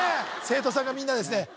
生徒さんがみんなですね